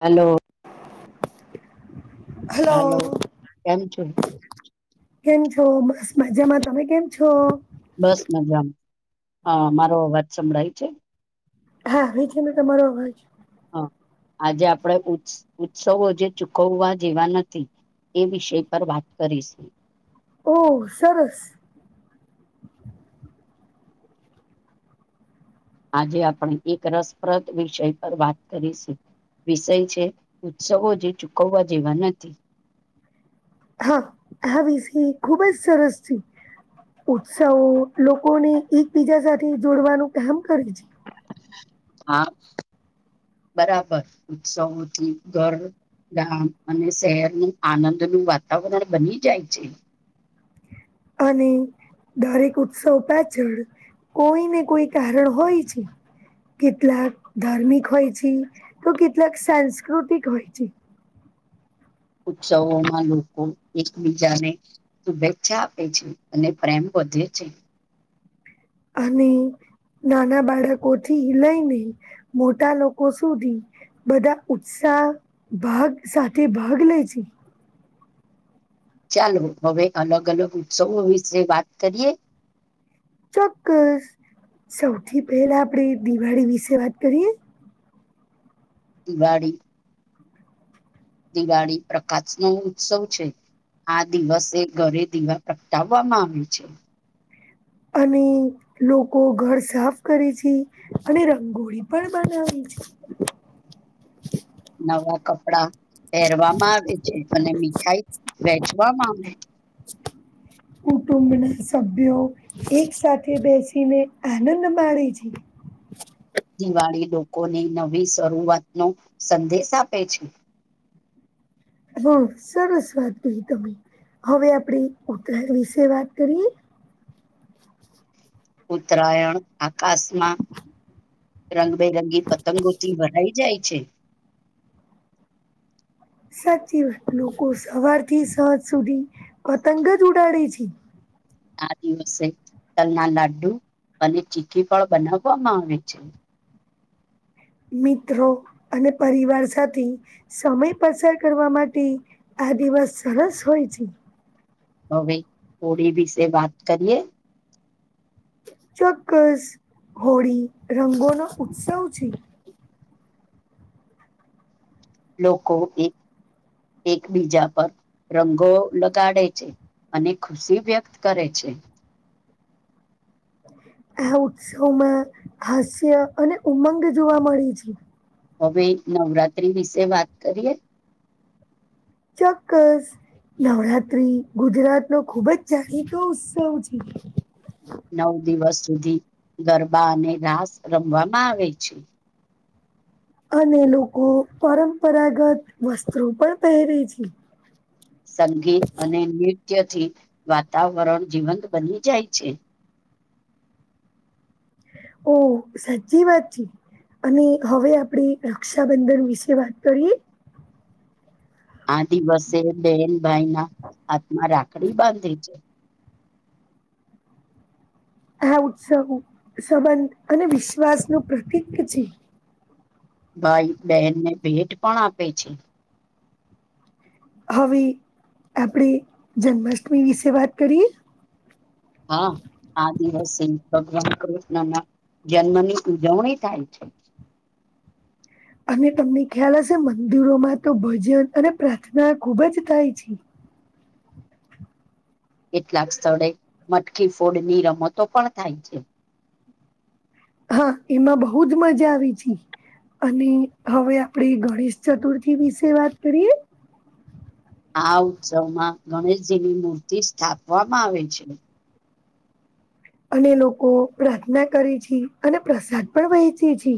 Hello. Hello કેમ છે. કેમ છો બસ મજામાં તમે કેમ છો. બસ મજામાં હા મારો અવાજ સંભળાય છે. હા ભવે છે તમારો અવાજ. હ આજે આપણેે ઉત્સવો જે ચૂકવવા જેવા નથી. એ વિષય પર વાત કરીશું. ઓહ સરસ. આજે આપણે એક રસપ્રદ વિષય પર વાત કરીશું. વિષય છે ઉત્સવો જે ચૂકવવા જેવા નથી. હા હસી ખુબ જ સરસથી. ઉત્સાહો લોકોને એકબીજા સાથે જોડવાનું કામ કરે છે. હા બરાબર ઉત્સવોથી ઘર. ગામ અને શહેરનું આનંદનું વાતાવરણ બની જાય છે. અને દરેક ઉત્સવ પાછળ. કોઈ ને કોઈ કારણ હોય છે. કેટલાક ધાર્મિક હોય છે તો કેટલાક સાંસ્કૃતિક હોય છે. ઉત્સવોમાં લોકો એકબીજાને શુભેચ્છા આપે છે અને પ્રેમ. વધધી છે. અને નાના બાળકો થી લઈને મોટા લોકો સુધી. બધા ઉત્સાહ ભાગ સાથે ભાગ લે છે. ચાલો હવે અલગ અલગ ઉત્સવો વિશે વાત કરીએ. ચોક્કસ સૌથી પહેલા આપડી દિવાળી વિશે વાત કરીએ. [inaudible] દિવાળી પ્રકાશ નો ઉત્સવ છે. આ દિવસે ઘરે દીવા પ્રગટાવવામાં આવી છે. અને લોકો ઘર સાફ કરે છે અને રંગોળી પણ બનાવે છે. નવા કપડા. પહેરવામાં આવે છે અને મીઠાઈ વેચવામાં આવે. ઉટું. સભ્યો એક સાથે બેસીને આનંદ માણે છે. દિવાળી લોકોની નવી શરૂઆતનો સંદેશ આપે છે. હા સરસ વાત કહી તમે. હવે આપડી ઉત્તરાયણ વિશે વાત કરીએ. ઉત્તરાયણ આકાશમાં રંગબેરંગી. તંગોતી ભરાઈ જાય છે. સાચી વાત લોકો સવાર થી સાંજ સુધી પતંગ જ ઉડાડે છે. આ દિવસે. તલ ના લાડ્ડુ અને ચીખી ફળ બનાવવામાં આવે છે. મિત્રો અને પરિવાર સાથે સમય પસાર કરવા માટે. આ દિિવસ સરહસ હોય છે. હવે હોડીી વિીશે વાત કરીએ. ચોક્કસ હોળી રંગોનો ઉત્સવ છે. લોકો એક એકબીજા પર રંગો લગાડે છે. અને ખુશી વ્યક્ત કરે છે. આ ઉત્સવમાં હાસ્ય અને ઉમંગ જોવા મળે છે. હવે નવરાત્રી વિશે વાત કરીએ. ચોક્કસ. નવરાત્રી ગુજરાત નો ખૂબ જ જાણીતો ઉત્સવ છે. નવ દિવસ સુધી ગરબા અને રાસ રમવામાં આવે છે. અને લોકો પરંપરાગત વસ્ત્રો પણ પહેરે છે. સંગીત અને નૃત્યથી વાતાવરણ જીવંત બની જાય છે. ઓ સાચી વાતચી. અને હવે આપડી રક્ષાબંધન વિશે વાત કરીએ. આ દિવસે બેન ભાઈ ના હાથમાં રાખડી બાંધી છે. આ ઉત્સવ સંબંધ અને વિશ્વાસ નું પ્રતીિક છે ભાઈ બહેનને ભેટ પણ આપે છે. હવે આપણેે જન્માષ્ટમી વિશે વાત કરીએ. હા આ દિવસે છે ભગવાન કૃષ્ણ. ના ના જન્મની ઉજવણી થાય છે. અને તમને ખ્યાલ હશે મંદિરોમાં તો ભજન અને પ્રાર્થના ખુબ જ થાય છે. કેટલાક સ્થળે મટકીી ફોડની રમતો પણ થાય છે. હા એમાં બહુજ મજા આવી છે. અને હવે આપણે ગણેશ ચતુર્થી વિશે વાત કરીએ. આ ઉત્સવમાં ગણેશજીની મૂર્તિ સ્થાપવામાં આવે છે. અને લોકો પ્રાર્થના કરી છે અને પ્રસાદ પણ વહેંચે છે.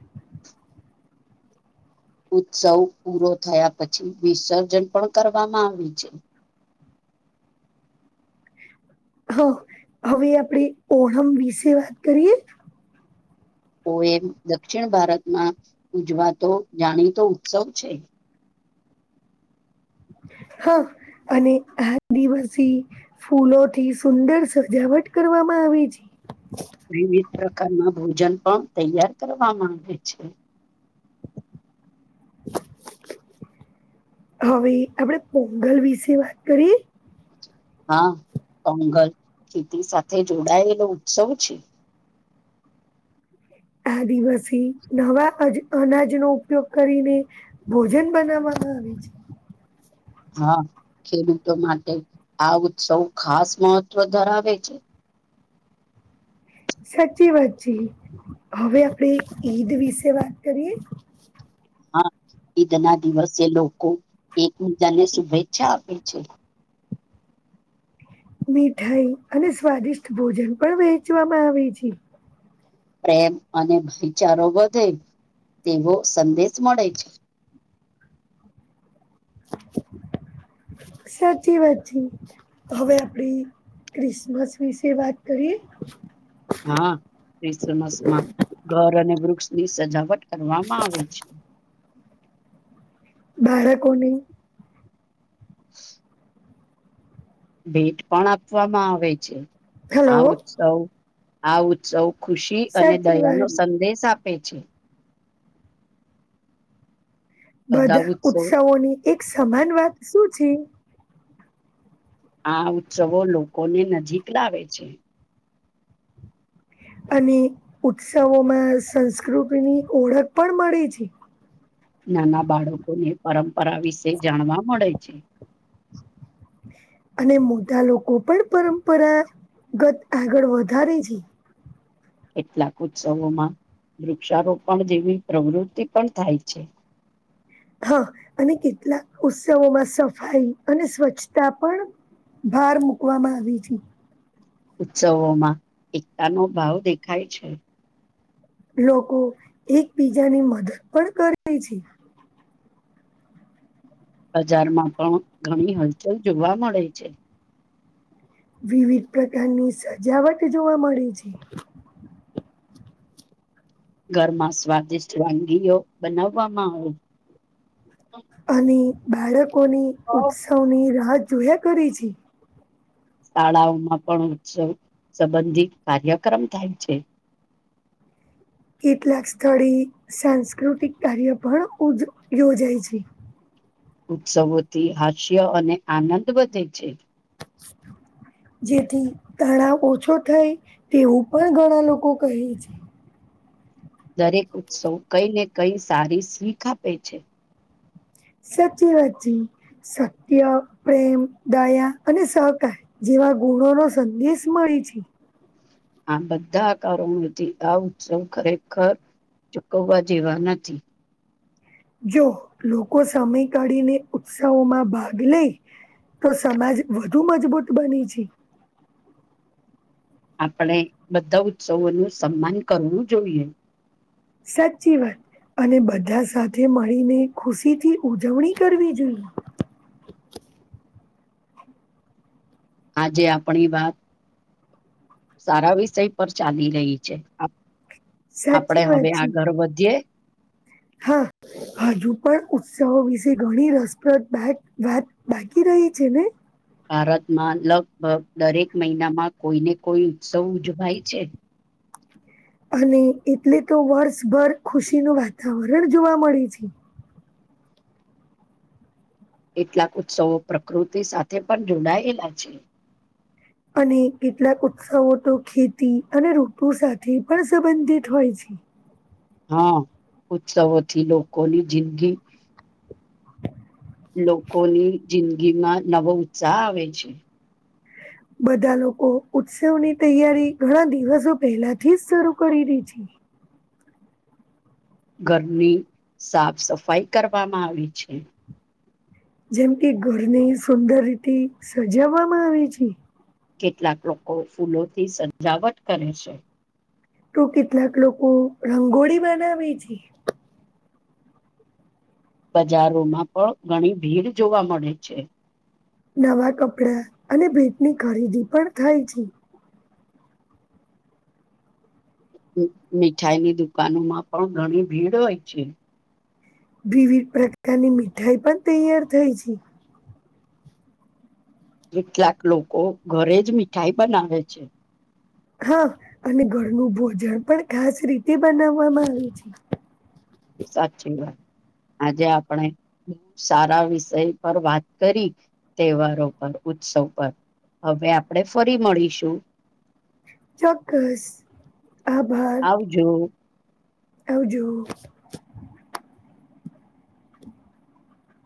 [inaudible] ઉત્સવ પૂરો થયા પછી વિસર્જન પણ કરવામાં આવી છે. હા હવે આપણેે ઓણમ વિશે વાત કરીએ. ઓ એમ દક્ષિણ ભારતમાં ઉજવાતો જાણીતો ઉત્સવ છે. હા. અને આ દિવસી ફૂલોથી સુંદર સજાવટ કરવામાં આવે છે. વિવિધ પ્રકારના ભોજન પણ તૈયાર કરવામાં આવે છે. હવે આપણેે પોંગલ વિશે વાત કરી. હા પોંગલ ખેતી સાથે જોડાયેલો ઉત્સવ છે [inaudible] આ દિવસે નવા અનાજનોો ઉપયોગ કરીને ભોજન બનાવામાં આવે છે. [inaudible] હા ખેડૂતો માટે આ ઉત્સવ ખાસ મહત્વ ધરાવે છે. સાચી વાત છેી હવે આપણે ઈદ વિશે વાત કરીયએ. [inaudible] હા ઈદ ના દિવસે લોકો એકબીજાને શુભેચ્છા આપે છે. મીઠાઈ અને સ્વાદિષ્ટ ભોજન પણ વહેચવામાં આવે છે. પ્રેમ અને ભાઈચારો વધે. તેવો સંદેશ મળે છે. [inaudible] સાચી વાચી હવે આપડી ક્રિસમસ વિશે વાત કરીએ. હા ક્રિસમસ માં ઘર અને. ક્ષની સજાવટ કરવામાં આવે છે. બાર કોને. [inaudible] ભેટ પણ આપવામાં આવે છે આ હલો ઉત્સવ આ ઉત્સવ. ખુશી અને સાચી દયા નો વાત સંદેશ આપે છે. બધા ઉત્સવોની એક સમાન વાત શું છે. આ ઉત્સવો લોકોને નજીક લાવે છે. અને ઉત્સવોમાં સંસ્કૃતિની ઓળખ પણ મળે છે. નાના બાળકોને પરંપરા વિશે જાણવા મળે છે [inaudible] અને મોટા લોકો પણ પરંપરાગત આગળ વધારે છે. કેટલાક ઉત્સવોમાં. વૃક્ષારોપણ જેવી પ્રવૃત્તિ પણ થાય છે. હા અને કેટલાક ઉત્સવોમાં સફાઈ અને સ્વચ્છતા પણ. ભાર મુૂકવામાં આવી છે ઉત્સવોમાં એકતાનો ભાવ દેખાય છે. લોકો એકબીજાની મદદ પણ કરે છે. બજારમાં પણ ઘણી હલચલ જોવા મળે છે. વિવિધ પ્રકારની સજાવટ જોવા મળે છે ઘરમાં સ્વાદિષ્ટ વાનગીઓ બનાવવામાં આવે. અ બાળકોની આવે ઉત્સવની રાહ જોયા કરી છે. શાળાઓમાં પણ ઉત્સવ સંબંધી કાર્યક્રમ થાય છે. કેટલાક સ્થળે સાંસ્કૃતિક કાર્ય પણ યોજાય છે. ઉત્સવોથી હાસ્ય અને આનંદ વધે છે. જેથી તણાવ ઓછો થાય તેવું પણ ઘણા લોકો કહે છે. દરેક ઉત્સવ કઈ ને કઈ સારી સ્વીખ આપે છે. સાચી વાચી સત્ય પ્રેમ દયા અને સહકાર જે એવા ગુણો નો સંદેશ મળી છે. આ બધા આકારોમાંથી આ ઉત્સવ ખરેખર. ચુકવવા જેવા નથી. જો લોકો સમય કાઢીને ઉત્સાહોમાં ભાગ લે. તો સમાજ વધુ મજબૂત બને છે આપણે બધા ઉત્સવોનું સન્માન કરવું જોઈએ. સાચી વાત. અને બધા સાથે મળીને ખુશીથી ઉજવણી કરવી જોઈએ. આજે આપણી વાત. સારા વિષય પર ચાલી રહી છે. આપડે સાચી હવે વાત આ છે ઘર વધીએ. હા. હજુ પણ ઉત્સવો વિશે ઘણી રસપ્રદ વાત બાકી રહી છે ને. ભારતમાં લગભગ દરેક મહિનામાં કોઈ ને કોઈ ઉત્સવ ઉજવાય છે. અને એટલે તો વર્ષભર ખુશીનું વાતાવરણ જોવા મળે છે. કેટલાક ઉત્સવો પ્રકૃતિ સાથે પણ જોડાયેલા છે. અને કેટલાક ઉત્સવો તો ખેતી અને રોટુ સાથે પણ સંબંધિત હોય છે. હા ઉત્સવોથી લોકોની જિંદગી. લોકોની જિંદગીમાં નવો ઉત્સાહ આવે છે. બધા લોકો ઉત્સવની તૈયારી ઘણા દિવસો પહેલાથી જ શરૂ કરી રે છે. ઘરની સાફ સફાાઈ કરવામાં આવી છે. જેમ કે ઘરની સુંદર રીતે સજાવવામાં આવે છે કેટલાક લોકો ફૂલોથી સજાવટ કરે છે. તોું કેટલાક લોકો રંગોળી બનાવે છે. બજારોમાં પણ ઘણી ભીડ જોવા મળે છે. નવા કપડા અને ભેટની ખરીદી પણ થાય છે. મીઠાઈની દુકાનો માં પણ ઘણી ભીડ હોય છે. વિવિધ પ્રકારની મીઠાઈ પણ તૈયાર થાય છે. કેટલાક લોકો ઘરે જ મીઠાઈ બનાવે છે. હા અને ઘરનું ભોજન પણ ખાસ રીતે બનાવવામાં આવે છે. સાચી વાત. આજે આપણે બઉ સારા વિષય પર વાત કરી તહેવારો પર. ઉત્સવ પર હવે આપણે ફરી મળીશું. ચોક્કસ આભાર. આવજો આવજો.